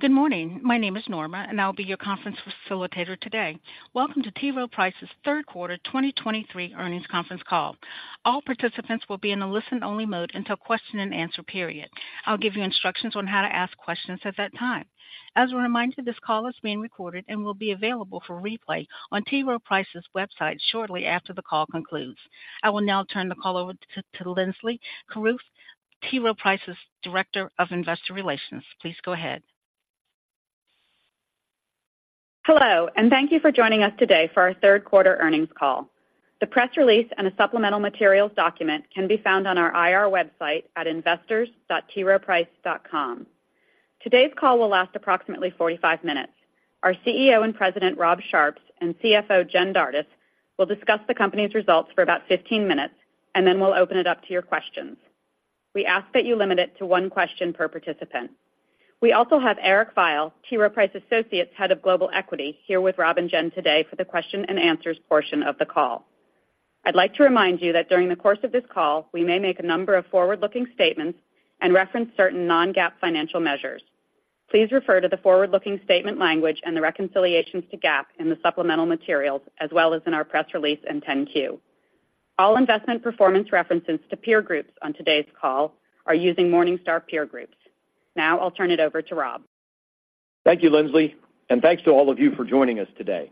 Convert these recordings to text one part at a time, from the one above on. Good morning. My name is Norma, and I'll be your conference facilitator today. Welcome to T. Rowe Price's third quarter 2023 earnings conference call. All participants will be in a listen-only mode until question and answer period. I'll give you instructions on how to ask questions at that time. As a reminder, this call is being recorded and will be available for replay on T. Rowe Price's website shortly after the call concludes. I will now turn the call over to Linsley Carruth, T. Rowe Price's Director of Investor Relations. Please go ahead. Hello, and thank you for joining us today for our third quarter earnings call. The press release and a supplemental materials document can be found on our IR website at investors.troweprice.com. Today's call will last approximately 45 minutes. Our CEO and President, Rob Sharps, and CFO, Jen Dardis, will discuss the company's results for about 15 minutes, and then we'll open it up to your questions. We ask that you limit it to one question per participant. We also have Eric Veiel, T. Rowe Price Associates, Head of Global Equity, here with Rob and Jen today for the question and answers portion of the call. I'd like to remind you that during the course of this call, we may make a number of forward-looking statements and reference certain Non-GAAP financial measures. Please refer to the forward-looking statement language and the reconciliations to GAAP in the supplemental materials, as well as in our press release and 10-Q. All investment performance references to peer groups on today's call are using Morningstar peer groups. Now I'll turn it over to Rob. Thank you, Linsley, and thanks to all of you for joining us today.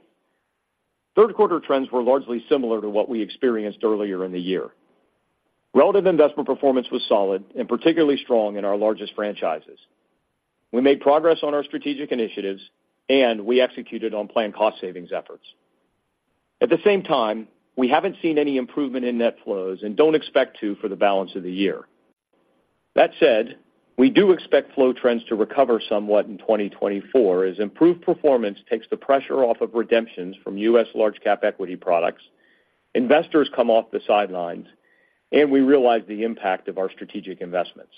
Third quarter trends were largely similar to what we experienced earlier in the year. Relative investment performance was solid and particularly strong in our largest franchises. We made progress on our strategic initiatives, and we executed on planned cost savings efforts. At the same time, we haven't seen any improvement in net flows and don't expect to for the balance of the year. That said, we do expect flow trends to recover somewhat in 2024, as improved performance takes the pressure off of redemptions from U.S. Large Cap equity products, investors come off the sidelines, and we realize the impact of our strategic investments.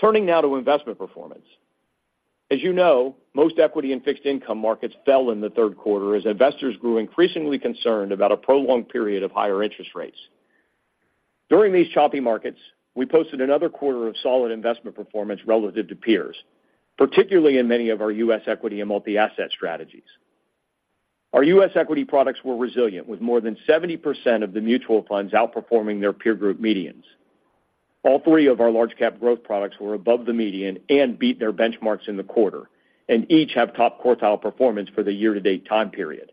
Turning now to investment performance. As you know, most equity and fixed income markets fell in the third quarter as investors grew increasingly concerned about a prolonged period of higher interest rates. During these choppy markets, we posted another quarter of solid investment performance relative to peers, particularly in many of our U.S. equity and multi-asset strategies. Our U.S. equity products were resilient, with more than 70% of the mutual funds outperforming their peer group medians. All three of our Large Cap growth products were above the median and beat their benchmarks in the quarter, and each have top quartile performance for the year-to-date time period.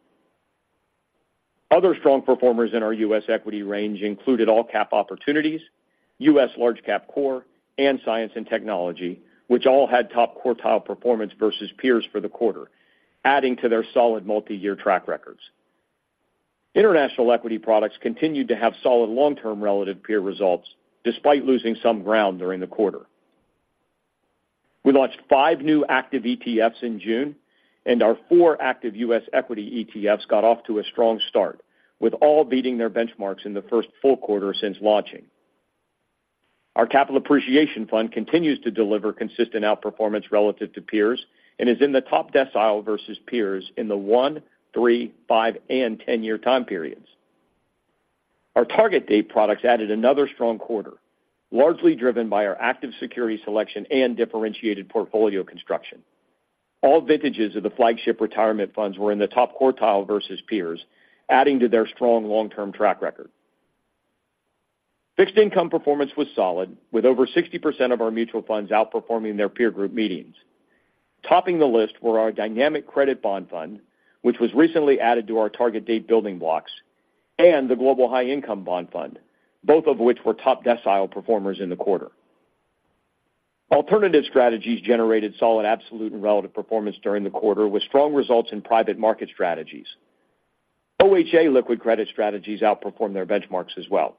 Other strong performers in our U.S. equity range included All Cap Opportunities, U.S. Large Cap Core, and Science and Technology, which all had top quartile performance versus peers for the quarter, adding to their solid multi-year track records. International equity products continued to have solid long-term relative peer results, despite losing some ground during the quarter. We launched five new active ETFs in June, and our four active U.S. equity ETFs got off to a strong start, with all beating their benchmarks in the first full quarter since launching. Our Capital Appreciation Fund continues to deliver consistent outperformance relative to peers and is in the top decile versus peers in the one-, three-, five-, and 10-year time periods. Our Target Date products added another strong quarter, largely driven by our active security selection and differentiated portfolio construction. All vintages of the flagship Retirement Funds were in the top quartile versus peers, adding to their strong long-term track record. Fixed income performance was solid, with over 60% of our mutual funds outperforming their peer group medians. Topping the list were our Dynamic Credit Bond Fund, which was recently added to our target date building blocks, and the Global High Income Bond Fund, both of which were top decile performers in the quarter. Alternative strategies generated solid, absolute, and relative performance during the quarter, with strong results in private market strategies. OHA liquid credit strategies outperformed their benchmarks as well.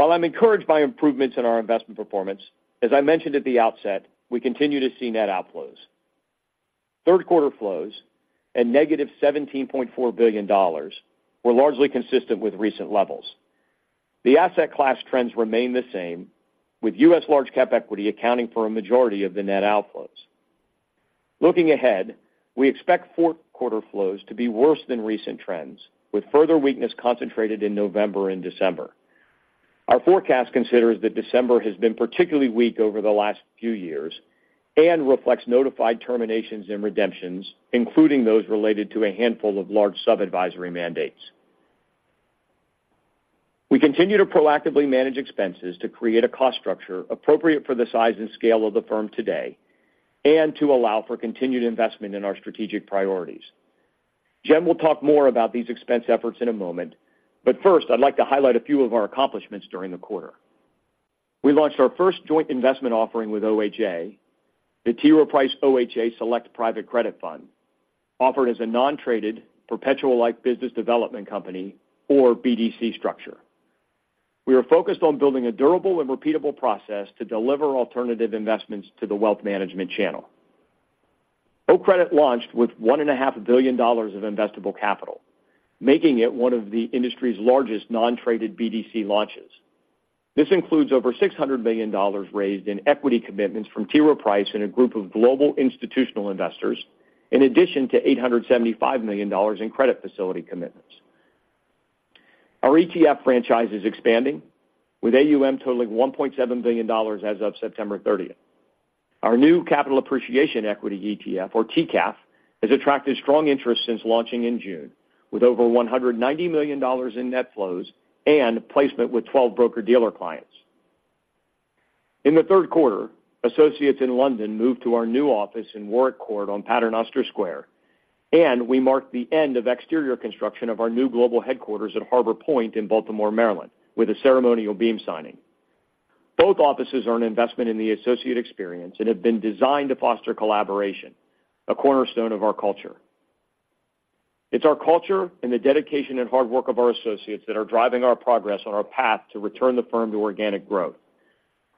While I'm encouraged by improvements in our investment performance, as I mentioned at the outset, we continue to see net outflows. Third quarter flows and negative $17.4 billion were largely consistent with recent levels. The asset class trends remain the same, with U.S. large-cap equity accounting for a majority of the net outflows. Looking ahead, we expect fourth quarter flows to be worse than recent trends, with further weakness concentrated in November and December. Our forecast considers that December has been particularly weak over the last few years and reflects notified terminations and redemptions, including those related to a handful of large sub-advisory mandates. We continue to proactively manage expenses to create a cost structure appropriate for the size and scale of the firm today and to allow for continued investment in our strategic priorities. Jen will talk more about these expense efforts in a moment, but first, I'd like to highlight a few of our accomplishments during the quarter. We launched our first joint investment offering with OHA, the T. Rowe Price OHA Select Private Credit Fund, offered as a Non-traded, perpetual-like business development company or BDC structure. We are focused on building a durable and repeatable process to deliver alternative investments to the wealth management channel. OCREDIT launched with $1.5 billion of investable capital, making it one of the industry's largest non-traded BDC launches. This includes over $600 million raised in equity commitments from T. Rowe Price and a group of global institutional investors, in addition to $875 million in credit facility commitments. Our ETF franchise is expanding, with AUM totaling $1.7 billion as of September 30. Our new Capital Appreciation Equity ETF, or TCAF, has attracted strong interest since launching in June, with over $190 million in net flows and placement with 12 broker-dealer clients. In the third quarter, associates in London moved to our new office in Warwick Court on Paternoster Square, and we marked the end of exterior construction of our new global headquarters at Harbor Point in Baltimore, Maryland, with a ceremonial beam signing. Both offices are an investment in the associate experience and have been designed to foster collaboration, a cornerstone of our culture. It's our culture and the dedication and hard work of our associates that are driving our progress on our path to return the firm to organic growth.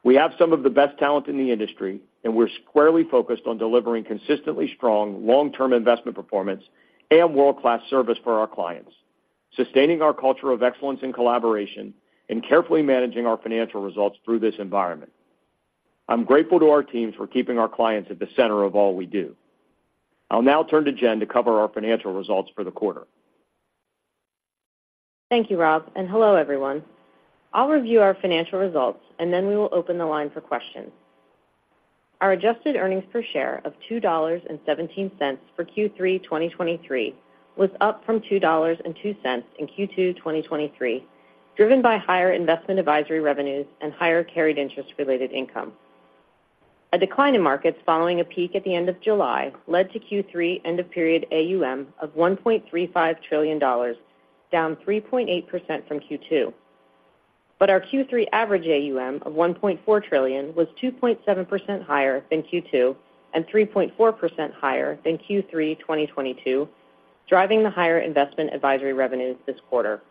We have some of the best talent in the industry, and we're squarely focused on delivering consistently strong, long-term investment performance and world-class service for our clients, sustaining our culture of excellence and collaboration, and carefully managing our financial results through this environment. I'm grateful to our teams for keeping our clients at the center of all we do. I'll now turn to Jen to cover our financial results for the quarter. Thank you, Rob, and hello, everyone. I'll review our financial results, and then we will open the line for questions. Our adjusted earnings per share of $2.17 for Q3 2023 was up from $2.02 in Q2 2023, driven by higher investment advisory revenues and higher carried interest-related income. A decline in markets following a peak at the end of July led to Q3 end of period AUM of $1.35 trillion, down 3.8% from Q2. But our Q3 average AUM of $1.4 trillion was 2.7% higher than Q2 and 3.4% higher than Q3 2022, driving the higher investment advisory revenues this quarter.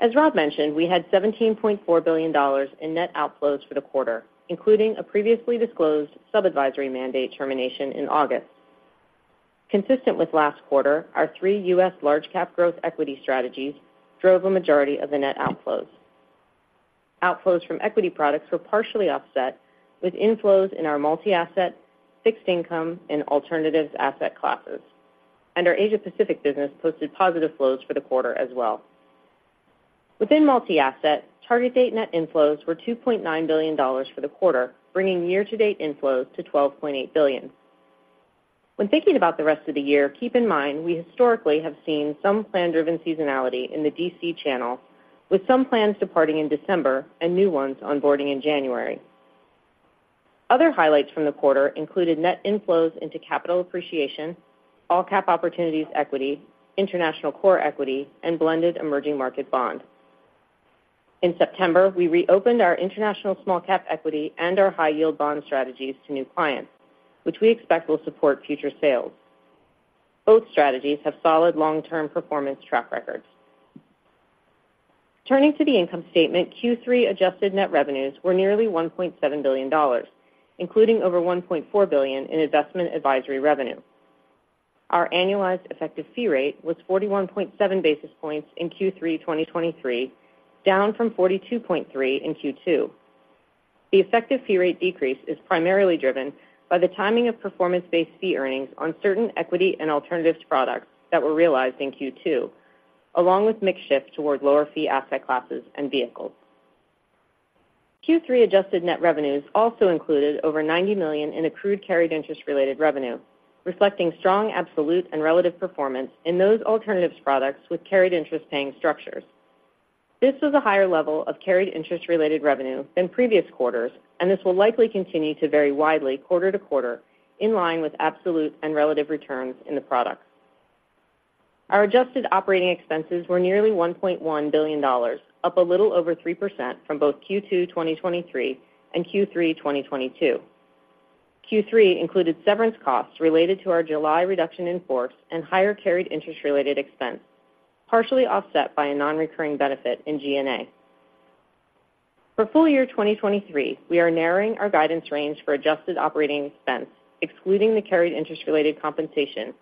As Rob mentioned, we had $17.4 billion in net outflows for the quarter, including a previously disclosed sub-advisory mandate termination in August. Consistent with last quarter, our three U.S. Large Cap growth equity strategies drove a majority of the net outflows. Outflows from equity products were partially offset, with inflows in our multi-asset, fixed income, and alternatives asset classes, and our Asia-Pacific business posted positive flows for the quarter as well. Within multi-asset, target date net inflows were $2.9 billion for the quarter, bringing year-to-date inflows to $12.8 billion. When thinking about the rest of the year, keep in mind we historically have seen some plan-driven seasonality in the DC channel, with some plans departing in December and new ones onboarding in January. Other highlights from the quarter included net inflows into capital appreciation, all cap opportunities equity, international core equity, and blended emerging market bond. In September, we reopened our International Small-Cap Equity and our High Yield Bond strategies to new clients, which we expect will support future sales. Both strategies have solid long-term performance track records. Turning to the income statement, Q3 adjusted net revenues were nearly $1.7 billion, including over $1.4 billion in investment advisory revenue. Our annualized effective fee rate was 41.7 basis points in Q3 2023, down from 42.3 in Q2. The effective fee rate decrease is primarily driven by the timing of performance-based fee earnings on certain equity and alternatives products that were realized in Q2, along with mix shift toward lower fee asset classes and vehicles. Q3 adjusted net revenues also included over $90 million in accrued carried interest-related revenue, reflecting strong, absolute, and relative performance in those alternatives products with carried interest-paying structures. This was a higher level of carried interest-related revenue than previous quarters, and this will likely continue to vary widely quarter to quarter, in line with absolute and relative returns in the products. Our adjusted operating expenses were nearly $1.1 billion, up a little over 3% from both Q2 2023 and Q3 2022. Q3 included severance costs related to our July reduction in force and higher carried interest-related expense, partially offset by a non-recurring benefit in G&A. For full year 2023, we are narrowing our guidance range for adjusted operating expense, excluding the carried interest-related compensation,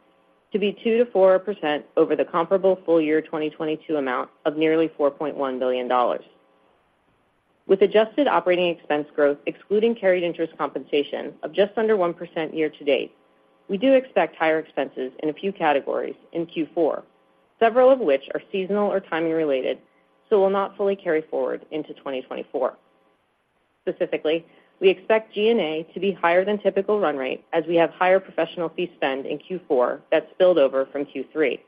to be 2%-4% over the comparable full year 2022 amount of nearly $4.1 billion. With adjusted operating expense growth, excluding carried interest compensation of just under 1% year to date, we do expect higher expenses in a few categories in Q4, several of which are seasonal or timing related, so will not fully carry forward into 2024. Specifically, we expect G&A to be higher than typical run rate as we have higher professional fee spend in Q4 that spilled over from Q3.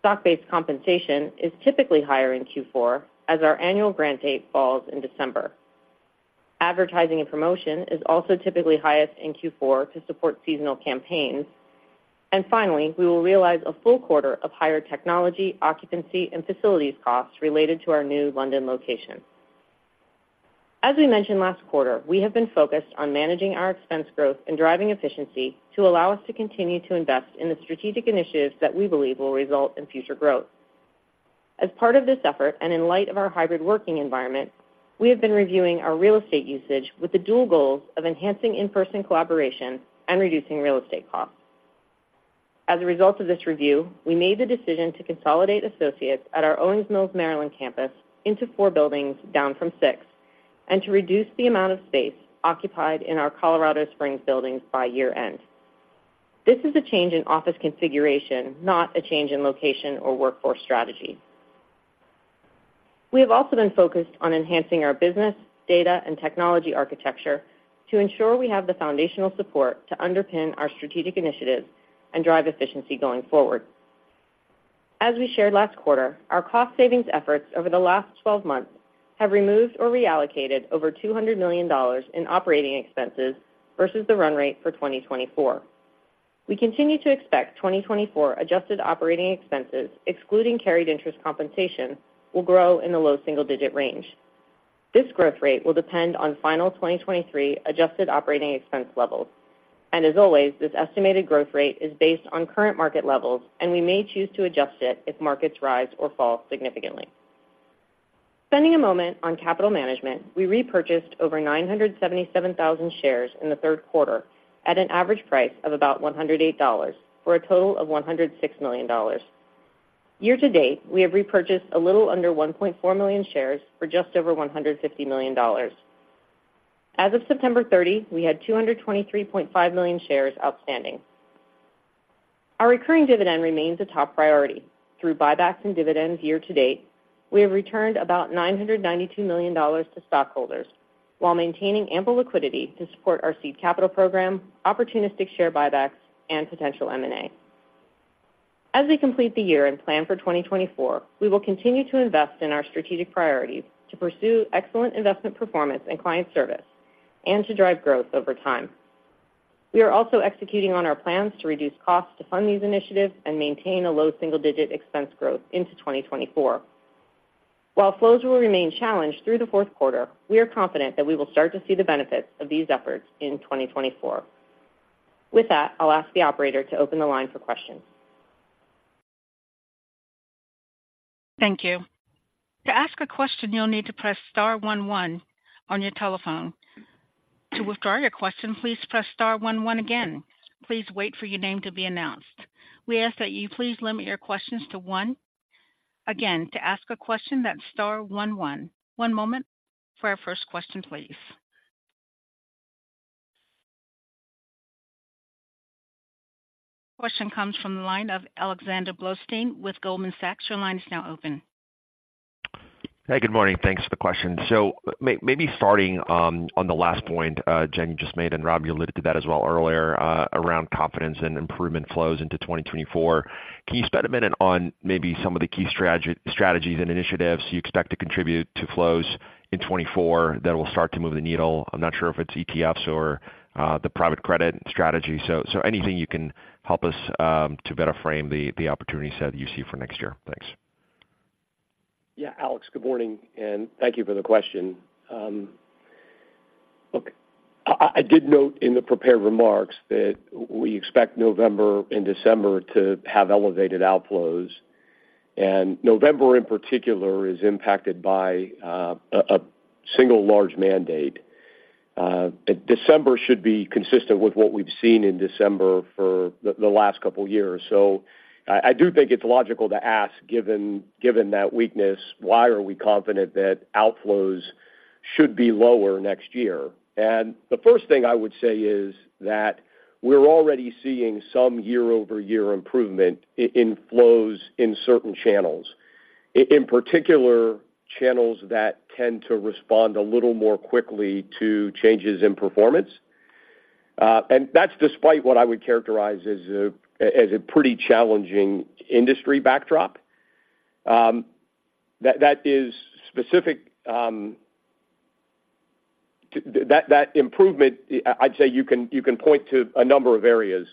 Stock-based compensation is typically higher in Q4 as our annual grant date falls in December. Advertising and promotion is also typically highest in Q4 to support seasonal campaigns. And finally, we will realize a full quarter of higher technology, occupancy, and facilities costs related to our new London location. As we mentioned last quarter, we have been focused on managing our expense growth and driving efficiency to allow us to continue to invest in the strategic initiatives that we believe will result in future growth. As part of this effort and in light of our hybrid working environment, we have been reviewing our real estate usage with the dual goals of enhancing in-person collaboration and reducing real estate costs. As a result of this review, we made the decision to consolidate associates at our Owings Mills, Maryland, campus into four buildings, down from six, and to reduce the amount of space occupied in our Colorado Springs buildings by year-end. This is a change in office configuration, not a change in location or workforce strategy. We have also been focused on enhancing our business, data, and technology architecture to ensure we have the foundational support to underpin our strategic initiatives and drive efficiency going forward. As we shared last quarter, our cost savings efforts over the last 12 months have removed or reallocated over $200 million in operating expenses versus the run rate for 2024. We continue to expect 2024 adjusted operating expenses, excluding carried interest compensation, will grow in the low single-digit range. This growth rate will depend on final 2023 adjusted operating expense levels. As always, this estimated growth rate is based on current market levels, and we may choose to adjust it if markets rise or fall significantly. Spending a moment on capital management, we repurchased over 977,000 shares in the third quarter at an average price of about $108, for a total of $106 million. Year to date, we have repurchased a little under 1.4 million shares for just over $150 million. As of September 30, we had 223.5 million shares outstanding. Our recurring dividend remains a top priority. Through buybacks and dividends year to date, we have returned about $992 million to stockholders while maintaining ample liquidity to support our seed capital program, opportunistic share buybacks, and potential M&A. As we complete the year and plan for 2024, we will continue to invest in our strategic priorities to pursue excellent investment performance and client service and to drive growth over time. We are also executing on our plans to reduce costs to fund these initiatives and maintain a low single-digit expense growth into 2024. While flows will remain challenged through the fourth quarter, we are confident that we will start to see the benefits of these efforts in 2024. With that, I'll ask the operator to open the line for questions. Thank you. To ask a question, you'll need to press star one, one on your telephone. To withdraw your question, please press star one, one again. Please wait for your name to be announced. We ask that you please limit your questions to one. Again, to ask a question, that's star one, one. One moment for our first question, please. Your question comes from the line of Alexander Blostein with Goldman Sachs. Your line is now open. Hey, good morning. Thanks for the question. So maybe starting on the last point, Jen, you just made, and Rob, you alluded to that as well earlier, around confidence and improvement flows into 2024. Can you spend a minute on maybe some of the key strategies and initiatives you expect to contribute to flows in 2024 that will start to move the needle? I'm not sure if it's ETFs or the private credit strategy. So anything you can help us to better frame the opportunity set you see for next year? Thanks. Yeah, Alex, good morning, and thank you for the question. Look, I did note in the prepared remarks that we expect November and December to have elevated outflows, and November, in particular, is impacted by a single large mandate. December should be consistent with what we've seen in December for the last couple of years. So I do think it's logical to ask, given that weakness, why are we confident that outflows should be lower next year? And the first thing I would say is that we're already seeing some year-over-year improvement in flows in certain channels. In particular, channels that tend to respond a little more quickly to changes in performance. And that's despite what I would characterize as a pretty challenging industry backdrop. That is specific. That improvement, I'd say you can point to a number of areas.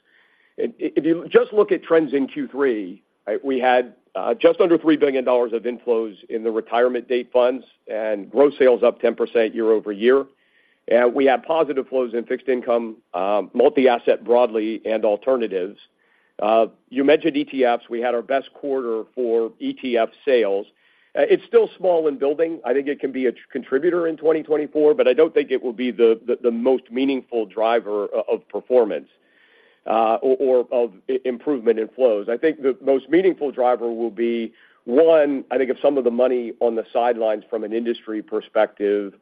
If you just look at trends in Q3, we had just under $3 billion of inflows in the retirement date funds and gross sales up 10% year-over-year. We had positive flows in fixed income, multi-asset broadly and alternatives. You mentioned ETFs. We had our best quarter for ETF sales. It's still small in building. I think it can be a contributor in 2024, but I don't think it will be the most meaningful driver of performance or of improvement in flows. I think the most meaningful driver will be, one, I think if some of the money on the sidelines from an industry perspective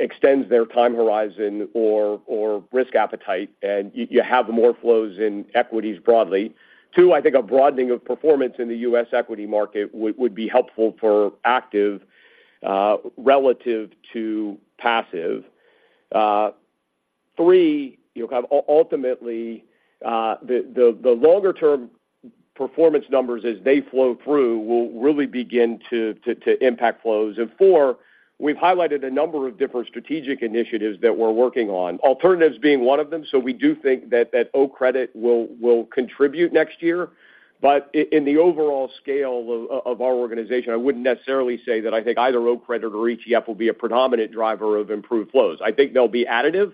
extends their time horizon or risk appetite, and you have more flows in equities broadly. Two, I think a broadening of performance in the U.S. Equity market would be helpful for active relative to passive. Three, you know, ultimately the longer-term performance numbers as they flow through will really begin to impact flows. And four, we've highlighted a number of different strategic initiatives that we're working on, alternatives being one of them. So we do think that OCREDIT will contribute next year. But in the overall scale of our organization, I wouldn't necessarily say that I think either OCREDIT or ETF will be a predominant driver of improved flows. I think they'll be additive,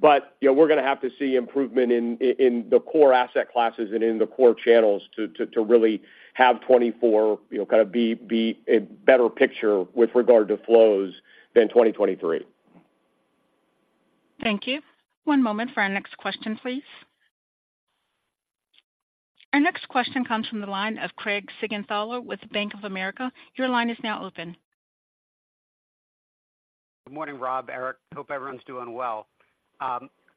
but, you know, we're going to have to see improvement in the core asset classes and in the core channels to really have 2024, you know, kind of be a better picture with regard to flows than 2023. Thank you. One moment for our next question, please. Our next question comes from the line of Craig Siegenthaler with Bank of America. Your line is now open. Good morning, Rob, Eric. Hope everyone's doing well.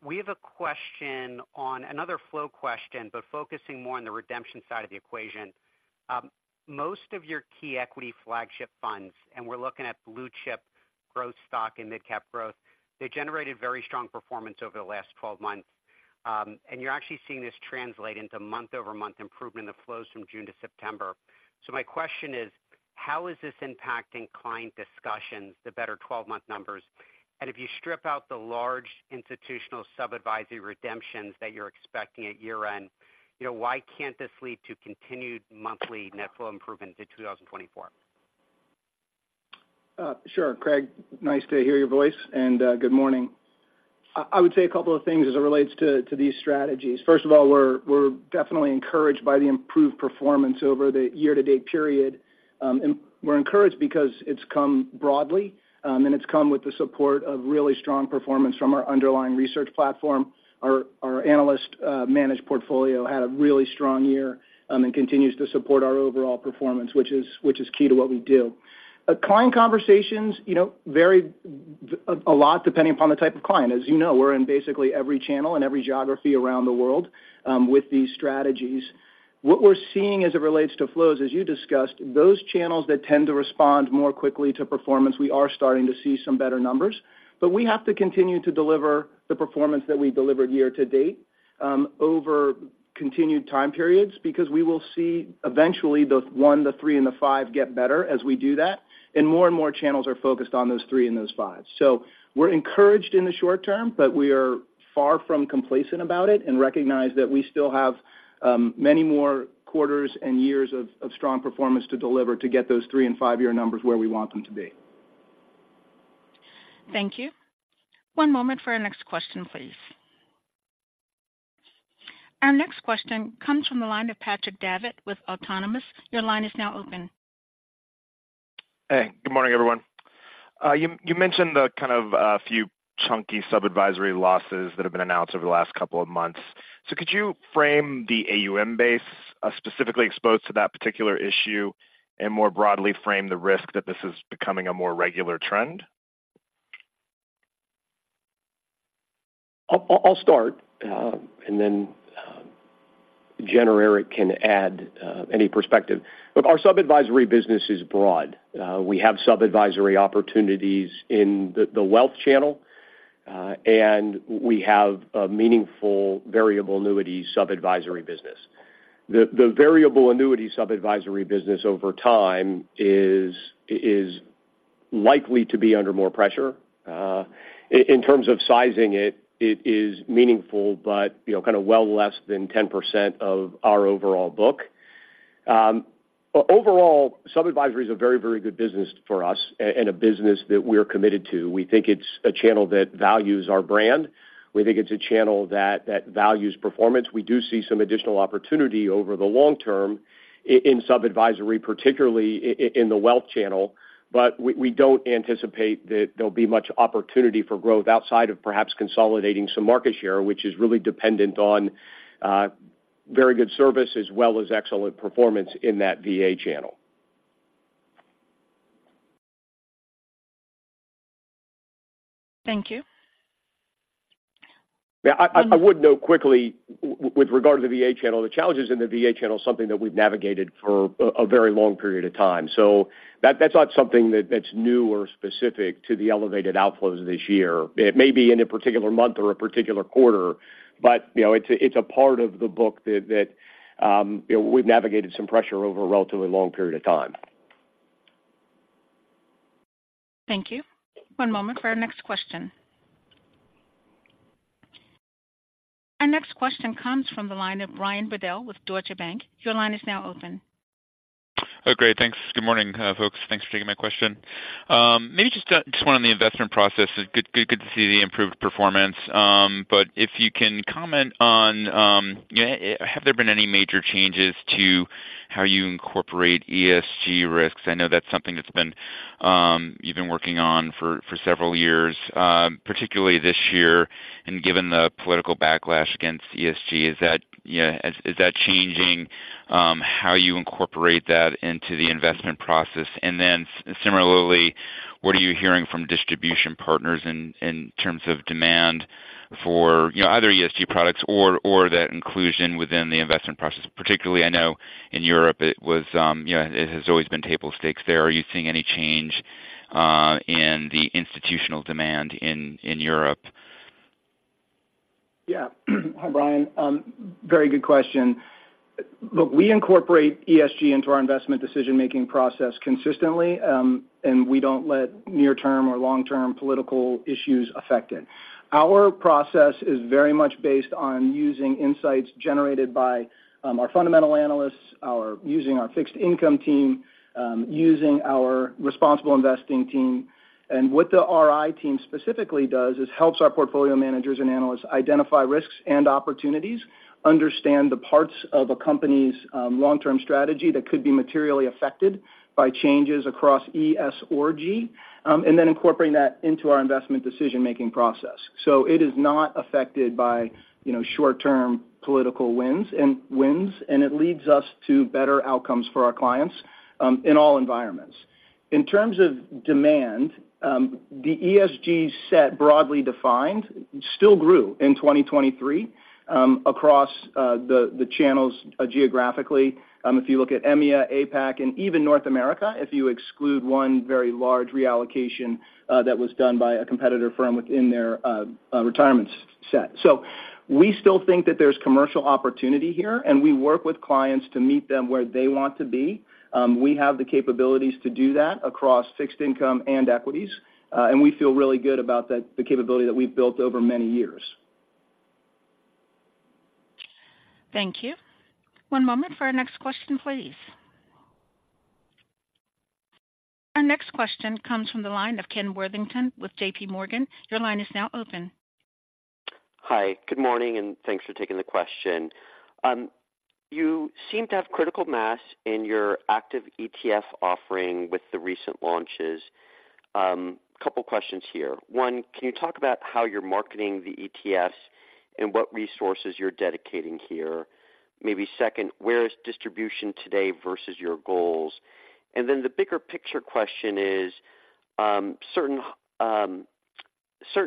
We have a question on another flow question, but focusing more on the redemption side of the equation. Most of your key equity flagship funds, and we're looking at Blue Chip, Growth Stock, and Mid-Cap Growth, they generated very strong performance over the last 12 months. And you're actually seeing this translate into month-over-month improvement in the flows from June to September. So my question is, how is this impacting client discussions, the better 12-month numbers? And if you strip out the large institutional sub-advisory redemptions that you're expecting at year-end, you know, why can't this lead to continued monthly net flow improvement to 2024? Sure, Craig, nice to hear your voice, and good morning. I would say a couple of things as it relates to these strategies. First of all, we're definitely encouraged by the improved performance over the year-to-date period. We're encouraged because it's come broadly, and it's come with the support of really strong performance from our underlying research platform. Our analyst managed portfolio had a really strong year and continues to support our overall performance, which is key to what we do. Client conversations, you know, vary a lot, depending upon the type of client. As you know, we're in basically every channel and every geography around the world with these strategies. What we're seeing as it relates to flows, as you discussed, those channels that tend to respond more quickly to performance, we are starting to see some better numbers. We have to continue to deliver the performance that we delivered year to date over continued time periods, because we will see eventually, the one, the three, and the five get better as we do that, and more and more channels are focused on those three and those five. We're encouraged in the short term, but we are far from complacent about it and recognize that we still have many more quarters and years of strong performance to deliver to get those three- and five-year numbers where we want them to be. Thank you. One moment for our next question, please. Our next question comes from the line of Patrick Davitt with Autonomous. Your line is now open. Hey, good morning, everyone. You mentioned the kind of few chunky sub-advisory losses that have been announced over the last couple of months. So could you frame the AUM base specifically exposed to that particular issue, and more broadly, frame the risk that this is becoming a more regular trend? I'll start, and then Jen or Eric can add any perspective. Look, our sub-advisory business is broad. We have sub-advisory opportunities in the wealth channel, and we have a meaningful variable annuity Sub-Advisory business. The variable annuity Sub-Advisory business over time is likely to be under more pressure. In terms of sizing it, it is meaningful, but, you know, kind of well less than 10% of our overall book. Overall, sub-advisory is a very, very good business for us and a business that we're committed to. We think it's a channel that values our brand. We think it's a channel that values performance. We do see some additional opportunity over the long term in Sub-Advisory, particularly in the wealth channel, but we, we don't anticipate that there'll be much opportunity for growth outside of perhaps consolidating some market share, which is really dependent on very good service as well as excellent performance in that VA channel. Thank you. Yeah, I would note quickly with regard to the VA Channel, the challenges in the VA Channel is something that we've navigated for a very long period of time. So that's not something that's new or specific to the elevated outflows this year. It may be in a particular month or a particular quarter, but you know, it's a part of the book that you know, we've navigated some pressure over a relatively long period of time. Thank you. One moment for our next question. Our next question comes from the line of Brian Bedell with Deutsche Bank. Your line is now open. Oh, great, thanks. Good morning, folks. Thanks for taking my question. Maybe just one on the investment process. Good, good, good to see the improved performance, but if you can comment on, you know, have there been any major changes to how you incorporate ESG risks? I know that's something that's been you've been working on for several years, particularly this year, and given the political backlash against ESG, is that, you know, changing how you incorporate that into the investment process? And then similarly, what are you hearing from distribution partners in terms of demand for, you know, either ESG products or that inclusion within the investment process? Particularly, I know in Europe it was, you know, it has always been table stakes there. Are you seeing any change in the institutional demand in Europe? Yeah. Hi, Brian, very good question. Look, we incorporate ESG into our investment decision-making process consistently, and we don't let near-term or long-term political issues affect it. Our process is very much based on using insights generated by, our fundamental analysts, using our fixed income team, using our responsible investing team. And what the RI team specifically does, is helps our Portfolio Managers and analysts identify risks and opportunities, understand the parts of a company's long-term strategy that could be materially affected by changes across E, S, or G, and then incorporating that into our investment decision-making process. So it is not affected by, you know, short-term political wins and wins, and it leads us to better outcomes for our clients, in all environments. In terms of demand, the ESG set, broadly defined, still grew in 2023, across the channels geographically, if you look at EMEA, APAC, and even North America, if you exclude one very large reallocation that was done by a competitor firm within their retirement set. So we still think that there's commercial opportunity here, and we work with clients to meet them where they want to be. We have the capabilities to do that across fixed income and equities, and we feel really good about that, the capability that we've built over many years. Thank you. One moment for our next question, please. Our next question comes from the line of Ken Worthington with JPMorgan. Your line is now open. Hi, good morning, and thanks for taking the question. You seem to have critical mass in your active ETF offering with the recent launches. Couple questions here. One, can you talk about how you're marketing the ETFs and what resources you're dedicating here? Maybe second, where is distribution today versus your goals? And then the bigger picture question is, certain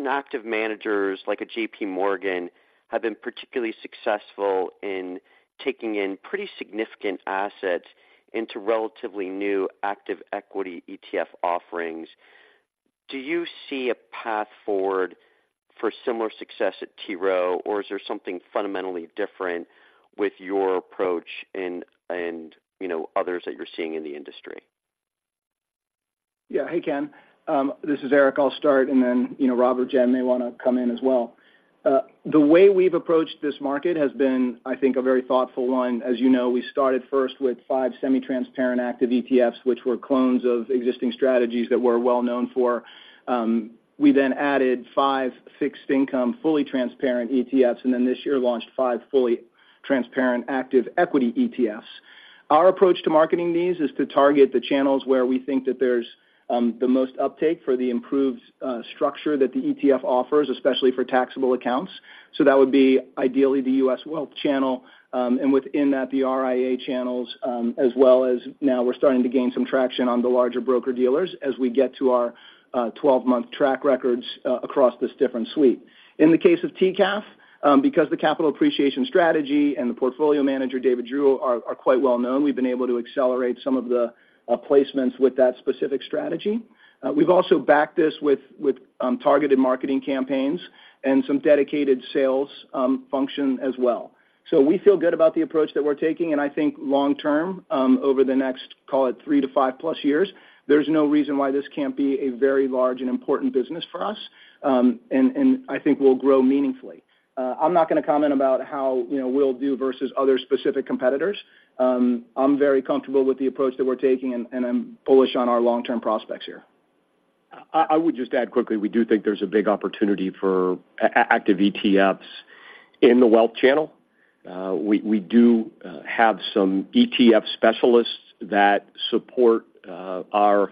active managers, like a JPMorgan, have been particularly successful in taking in pretty significant assets into relatively new active equity ETF offerings. Do you see a path forward for similar success at T. Rowe, or is there something fundamentally different with your approach and, you know, others that you're seeing in the industry? Yeah. Hey, Ken, this is Eric. I'll start, and then, you know, Rob or Jen may want to come in as well. The way we've approached this market has been, I think, a very thoughtful one. As you know, we started first with five semi-transparent active ETFs, which were clones of existing strategies that we're well known for. We then added five fixed income, fully transparent ETFs, and then this year launched five fully transparent active equity ETFs. Our approach to marketing these is to target the channels where we think that there's the most uptake for the improved structure that the ETF offers, especially for taxable accounts. So that would be ideally the U.S. Wealth Channel, and within that, the RIA channels, as well as now we're starting to gain some traction on the larger broker-dealers as we get to our 12-month track records across this different suite. In the case of TCAF, because the Capital Appreciation strategy and the portfolio manager, David Giroux, are quite well known, we've been able to accelerate some of the placements with that specific strategy. We've also backed this with targeted marketing campaigns and some dedicated sales function as well. So we feel good about the approach that we're taking, and I think long term, over the next, call it 3-5+ years, there's no reason why this can't be a very large and important business for us, and I think will grow meaningfully. I'm not going to comment about how, you know, we'll do versus other specific competitors. I'm very comfortable with the approach that we're taking, and I'm bullish on our long-term prospects here. I would just add quickly, we do think there's a big opportunity for active ETFs in the wealth channel. We do have some ETF specialists that support our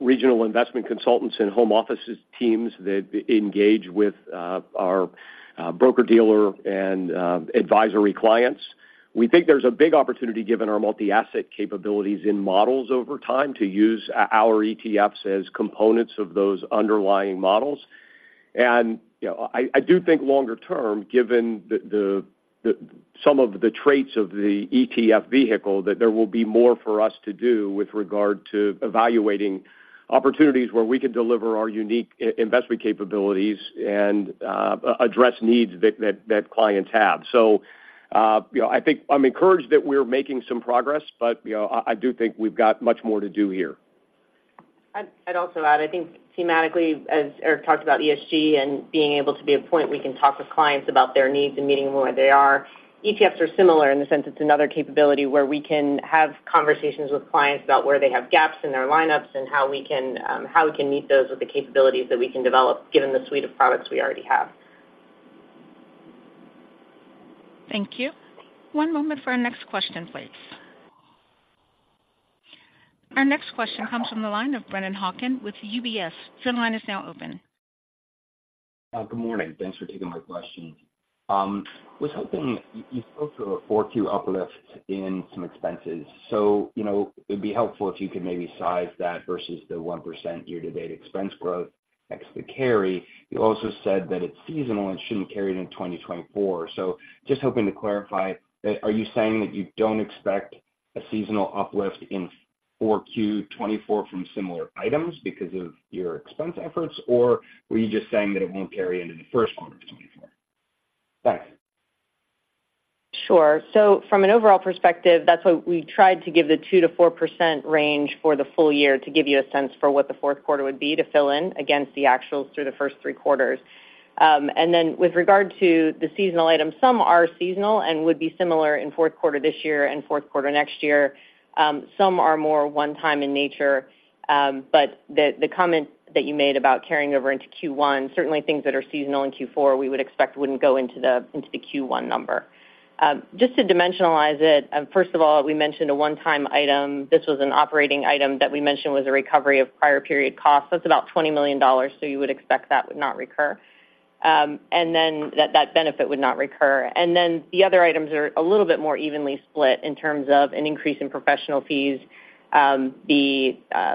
regional investment consultants and home offices teams that engage with our broker-dealer and advisory clients. We think there's a big opportunity, given our multi-asset capabilities in models over time, to use our ETFs as components of those underlying models. You know, I do think longer term, given some of the traits of the ETF vehicle, that there will be more for us to do with regard to evaluating opportunities where we can deliver our unique investment capabilities and address needs that clients have. You know, I think I'm encouraged that we're making some progress, but, you know, I do think we've got much more to do here. I'd also add, I think thematically, as Eric talked about, ESG and being able to be a point where we can talk with clients about their needs and meeting them where they are. ETFs are similar in the sense it's another capability where we can have conversations with clients about where they have gaps in their lineups and how we can, how we can meet those with the capabilities that we can develop, given the suite of products we already have. Thank you. One moment for our next question, please. Our next question comes from the line of Brennan Hawken with UBS. Your line is now open. Good morning. Thanks for taking my question. Was hoping, you spoke to a 4Q uplift in some expenses, so you know, it'd be helpful if you could maybe size that versus the 1% year-to-date expense growth ex the carry. You also said that it's seasonal and shouldn't carry into 2024. So just hoping to clarify, are you saying that you don't expect a seasonal uplift in 4Q 2024 from similar items because of your expense efforts? Or were you just saying that it won't carry into the first quarter of 2024? Thanks. Sure. So from an overall perspective, that's why we tried to give the 2%-4% range for the full year, to give you a sense for what the fourth quarter would be to fill in against the actuals through the first three quarters. And then with regard to the seasonal items, some are seasonal and would be similar in fourth quarter this year and fourth quarter next year. Some are more one-time in nature, but the comment that you made about carrying over into Q1, certainly things that are seasonal in Q4, we would expect, wouldn't go into the Q1 number. Just to dimensionalize it, first of all, we mentioned a one-time item. This was an operating item that we mentioned was a recovery of prior period costs. That's about $20 million, so you would expect that would not recur, and then that benefit would not recur. And then the other items are a little bit more evenly split in terms of an increase in professional fees, the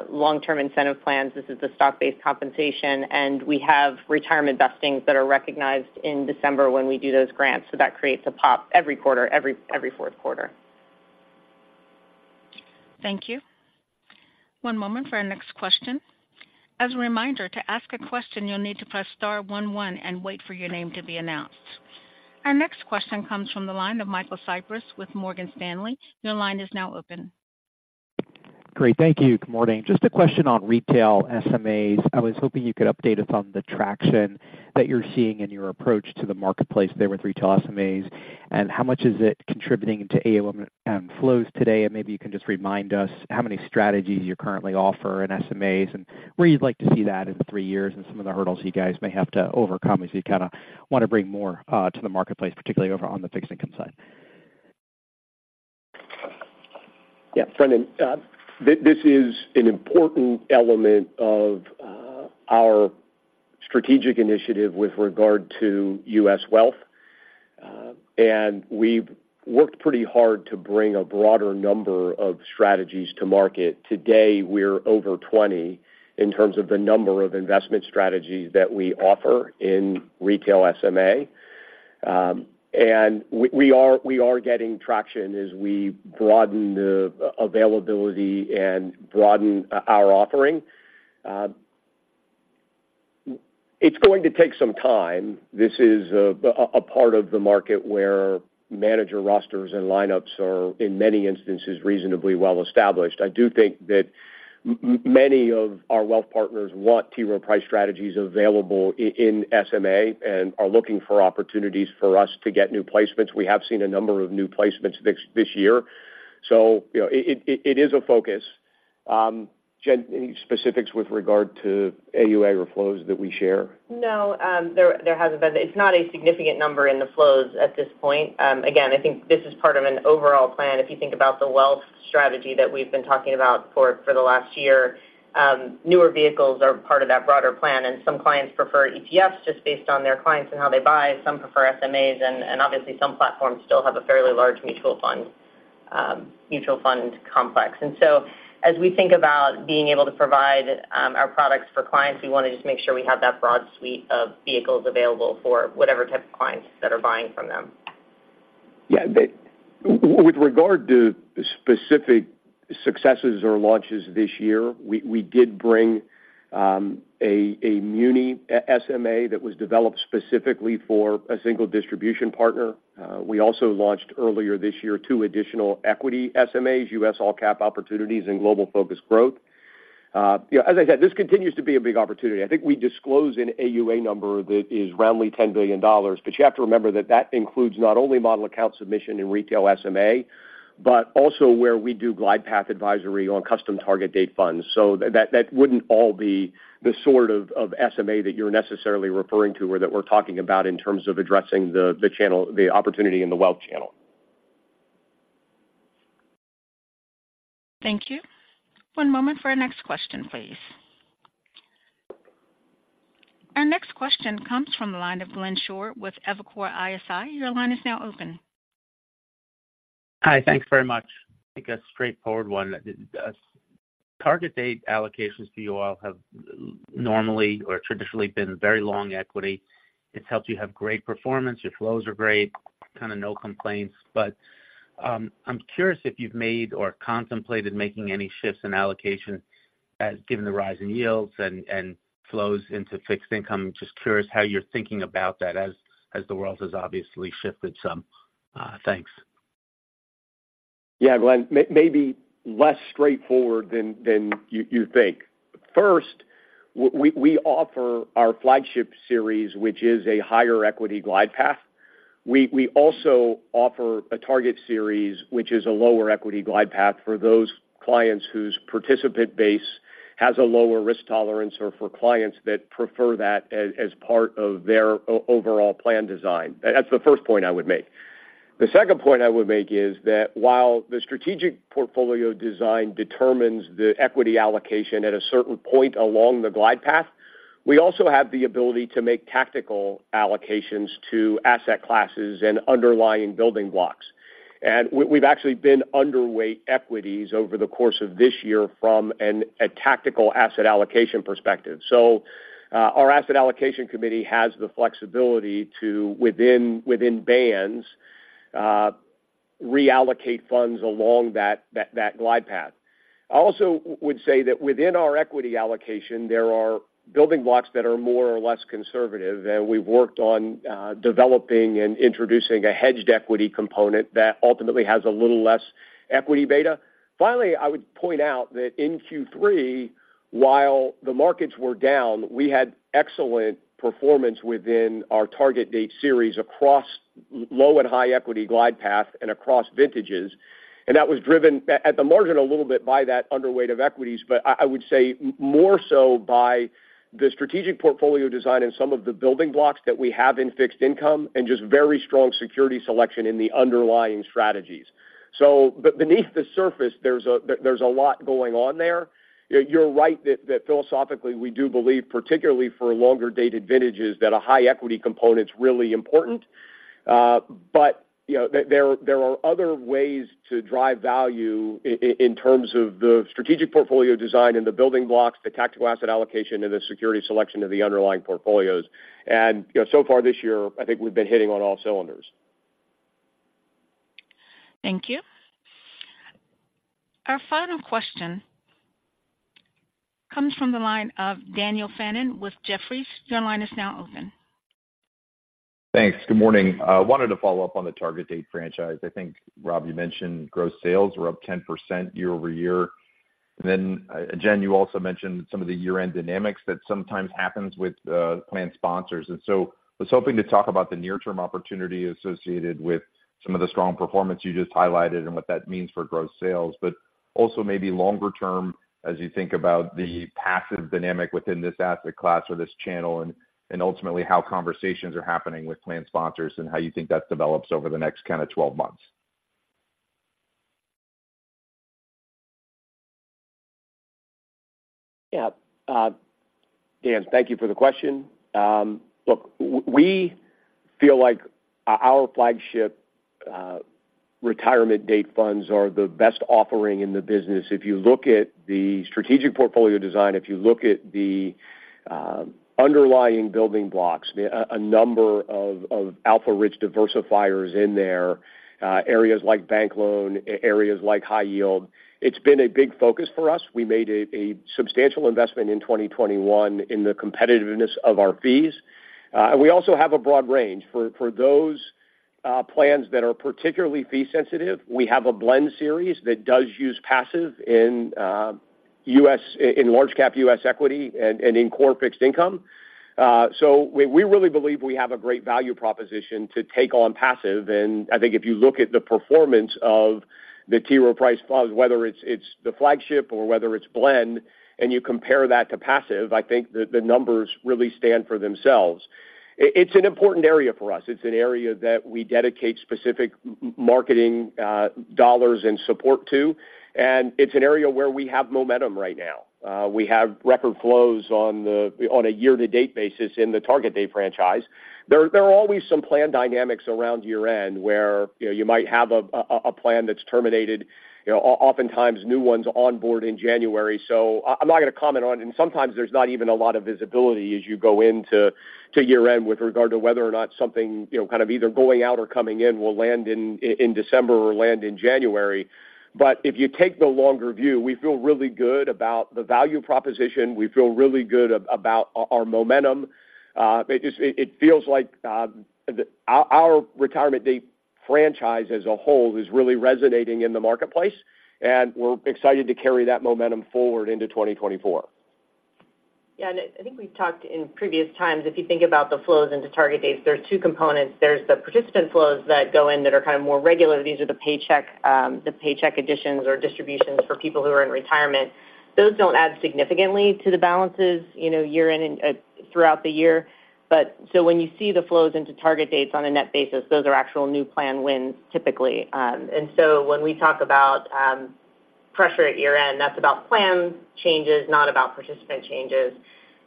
long-term incentive plans. This is the stock-based compensation, and we have retirement vestings that are recognized in December when we do those grants, so that creates a pop every quarter, every fourth quarter. Thank you. One moment for our next question. As a reminder, to ask a question, you'll need to press star one, one, and wait for your name to be announced. Our next question comes from the line of Michael Cyprys with Morgan Stanley. Your line is now open. Great, thank you. Good morning. Just a question on retail SMAs. I was hoping you could update us on the traction that you're seeing in your approach to the marketplace there with retail SMAs, and how much is it contributing to AUM and flows today? And maybe you can just remind us how many strategies you currently offer in SMAs, and where you'd like to see that in three years, and some of the hurdles you guys may have to overcome as you kind of want to bring more, to the marketplace, particularly over on the fixed income side. Yeah, Michael, this is an important element of our strategic initiative with regard to U.S. Wealth. We've worked pretty hard to bring a broader number of strategies to market. Today, we're over 20 in terms of the number of investment strategies that we offer in retail SMA. We are getting traction as we broaden the availability and broaden our offering. It's going to take some time. This is a part of the market where manager rosters and lineups are, in many instances, reasonably well established. I do think that many of our wealth partners want T. Rowe Price strategies available in SMA and are looking for opportunities for us to get new placements. We have seen a number of new placements this year, so, you know, it is a focus. Jen, any specifics with regard to AUA or flows that we share? No, there hasn't been... It's not a significant number in the flows at this point. Again, I think this is part of an overall plan. If you think about the wealth strategy that we've been talking about for the last year, newer vehicles are part of that broader plan, and some clients prefer ETFs just based on their clients and how they buy. Some prefer SMAs, and obviously, some platforms still have a fairly large mutual fund complex. And so as we think about being able to provide our products for clients, we want to just make sure we have that broad suite of vehicles available for whatever type of clients that are buying from them. Yeah, but with regard to specific successes or launches this year, we, we did bring a muni SMA that was developed specifically for a single distribution partner. We also launched earlier this year two additional equity SMAs, U.S. All Cap Opportunities and Global Focused Growth. You know, as I said, this continues to be a big opportunity. I think we disclose an AUA number that is roundly $10 billion, but you have to remember that that includes not only model account submission in retail SMA, but also where we do glide path advisory on custom target date funds. So that, that wouldn't all be the sort of SMA that you're necessarily referring to or that we're talking about in terms of addressing the channel, the opportunity in the wealth channel. Thank you. One moment for our next question, please. Our next question comes from the line of Glenn Schorr with Evercore ISI. Your line is now open. Hi, thanks very much. I think a straightforward one. Target date allocations to UAL have normally or traditionally been very long equity. It's helped you have great performance. Your flows are great, kind of no complaints. But, I'm curious if you've made or contemplated making any shifts in allocation as given the rise in yields and, and flows into fixed income. Just curious how you're thinking about that as, as the world has obviously shifted some. Thanks. Yeah, Glenn, maybe less straightforward than you think. First, we offer our flagship series, which is a higher equity glide path. We also offer a target series, which is a lower equity glide path for those clients whose participant base has a lower risk tolerance or for clients that prefer that as part of their overall plan design. That's the first point I would make. The second point I would make is that while the strategic portfolio design determines the equity allocation at a certain point along the glide path, we also have the ability to make tactical allocations to asset classes and underlying building blocks. And we've actually been underweight equities over the course of this year from a tactical asset allocation perspective. So, our asset allocation committee has the flexibility to within bands reallocate funds along that glide path. I also would say that within our equity allocation, there are building blocks that are more or less conservative, and we've worked on developing and introducing a hedged equity component that ultimately has a little less equity beta. Finally, I would point out that in Q3, while the markets were down, we had excellent performance within our target date series across low and high equity glide path and across vintages. And that was driven at the margin a little bit by that underweight of equities, but I would say more so by the strategic portfolio design and some of the building blocks that we have in fixed income, and just very strong security selection in the underlying strategies. So beneath the surface, there's a lot going on there. You're right that philosophically, we do believe, particularly for longer dated vintages, that a high equity component is really important. But you know, there are other ways to drive value in terms of the strategic portfolio design and the building blocks, the tactical asset allocation, and the security selection of the underlying portfolios. And you know, so far this year, I think we've been hitting on all cylinders. Thank you. Our final question comes from the line of Daniel Fannon with Jefferies. Your line is now open. Thanks. Good morning. I wanted to follow up on the Target Date franchise. I think, Rob, you mentioned gross sales were up 10% year-over-year. Then, Jen, you also mentioned some of the year-end dynamics that sometimes happens with plan sponsors. And so I was hoping to talk about the near-term opportunity associated with some of the strong performance you just highlighted and what that means for growth sales, but also maybe longer term, as you think about the passive dynamic within this asset class or this channel, and ultimately, how conversations are happening with plan sponsors and how you think that develops over the next kind of twelve months. Yeah. Dan, thank you for the question. Look, we feel like our flagship retirement date funds are the best offering in the business. If you look at the strategic portfolio design, if you look at the underlying building blocks, a number of alpha-rich diversifiers in there, areas like bank loan, areas like High Yield, it's been a big focus for us. We made a substantial investment in 2021 in the competitiveness of our fees. And we also have a broad range. For those plans that are particularly fee sensitive, we have a blend series that does use passive in U.S. Large Cap U.S. equity and in core fixed income. So we really believe we have a great value proposition to take on passive. I think if you look at the performance of the T. Rowe Price flows, whether it's the flagship or whether it's blend, and you compare that to passive, I think the numbers really stand for themselves. It's an important area for us. It's an area that we dedicate specific marketing dollars and support to, and it's an area where we have momentum right now. We have record flows on a year-to-date basis in the Target Date franchise. There are always some plan dynamics around year-end, where, you know, you might have a plan that's terminated. You know, oftentimes new ones onboard in January, so I'm not going to comment on... And sometimes there's not even a lot of visibility as you go into the year-end with regard to whether or not something, you know, kind of either going out or coming in, will land in December or land in January. But if you take the longer view, we feel really good about the value proposition. We feel really good about our momentum. It just feels like our retirement date franchise as a whole is really resonating in the marketplace, and we're excited to carry that momentum forward into 2024. Yeah, and I think we've talked in previous times, if you think about the flows into Target Dates, there are two components. There's the participant flows that go in that are kind of more regular. These are the paycheck additions or distributions for people who are in retirement. Those don't add significantly to the balances, you know, year-end and throughout the year. But so when you see the flows into Target Dates on a net basis, those are actual new plan wins, typically. And so when we talk about pressure at year-end, that's about plan changes, not about participant changes.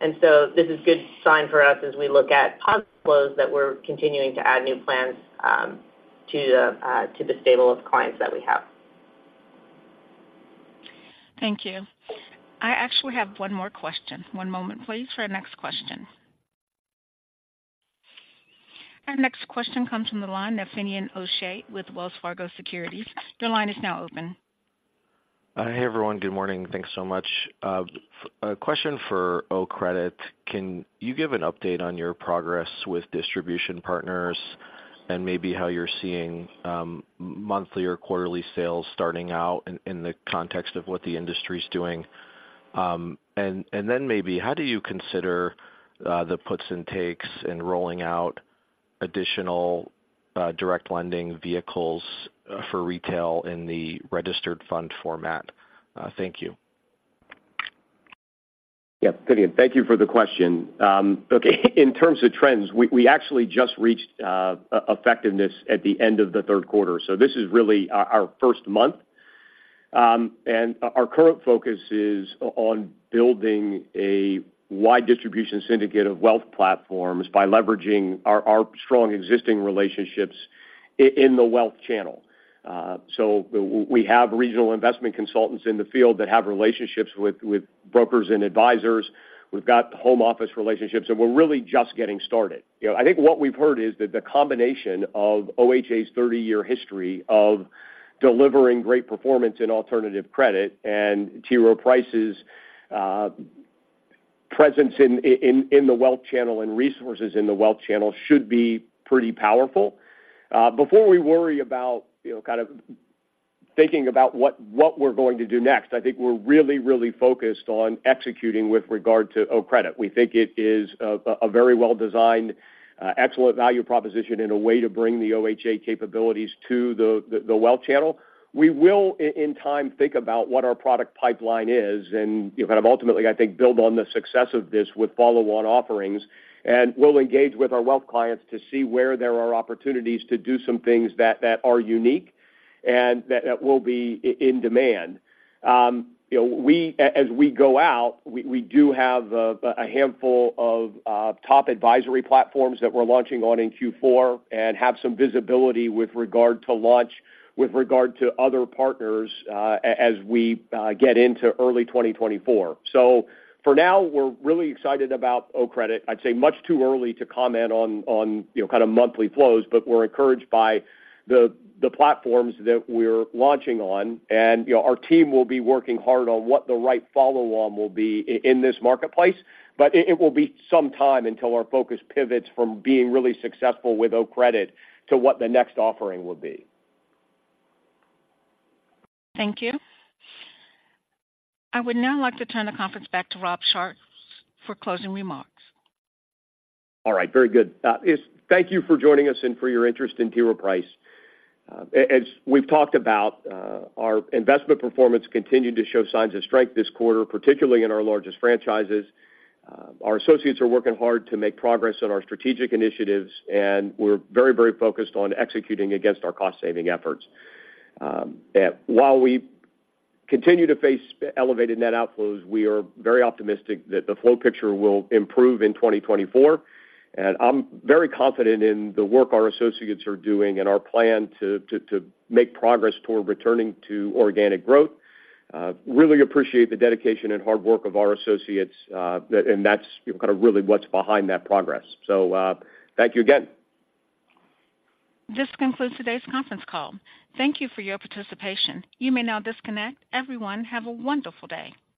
And so this is good sign for us as we look at positive flows, that we're continuing to add new plans to the stable of clients that we have. Thank you. I actually have one more question. One moment, please, for our next question. Our next question comes from the line of Finian O'Shea with Wells Fargo Securities. Your line is now open. Hey, everyone. Good morning. Thanks so much. A question for OCREDIT. Can you give an update on your progress with distribution partners and maybe how you're seeing monthly or quarterly sales starting out in the context of what the industry's doing? And then maybe how do you consider the puts and takes in rolling out additional direct lending vehicles for retail in the registered fund format? Thank you. Yeah, Finian, thank you for the question. Okay, in terms of trends, we actually just reached effectiveness at the end of the third quarter, so this is really our first month. And our current focus is on building a wide distribution syndicate of wealth platforms by leveraging our strong existing relationships in the wealth channel. So we have regional investment consultants in the field that have relationships with brokers and advisors. We've got home office relationships, and we're really just getting started. You know, I think what we've heard is that the combination of OHA's 30-year history of delivering great performance in alternative credit and T. Rowe Price's presence in the wealth channel and resources in the wealth channel should be pretty powerful. Before we worry about, you know, kind of thinking about what we're going to do next, I think we're really, really focused on executing with regard to OCREDIT. We think it is a very well-designed, excellent value proposition and a way to bring the OHA capabilities to the wealth channel. We will, in time, think about what our product pipeline is and, you know, kind of ultimately, I think, build on the success of this with follow-on offerings. And we'll engage with our wealth clients to see where there are opportunities to do some things that are unique and that will be in demand. You know, as we go out, we do have a handful of top advisory platforms that we're launching on in Q4 and have some visibility with regard to launch, with regard to other partners, as we get into early 2024. So for now, we're really excited about OCREDIT. I'd say much too early to comment on, you know, kind of monthly flows, but we're encouraged by the platforms that we're launching on. And, you know, our team will be working hard on what the right follow-on will be in this marketplace, but it will be some time until our focus pivots from being really successful with OCREDIT to what the next offering will be. Thank you. I would now like to turn the conference back to Rob Sharps for closing remarks. All right. Very good. Yes, thank you for joining us and for your interest in T. Rowe Price. As we've talked about, our investment performance continued to show signs of strength this quarter, particularly in our largest franchises. Our associates are working hard to make progress on our strategic initiatives, and we're very, very focused on executing against our cost-saving efforts. And while we continue to face elevated net outflows, we are very optimistic that the flow picture will improve in 2024. And I'm very confident in the work our associates are doing and our plan to make progress toward returning to organic growth. Really appreciate the dedication and hard work of our associates, and that's, you know, kind of really what's behind that progress. So, thank you again. This concludes today's conference call. Thank you for your participation. You may now disconnect. Everyone, have a wonderful day.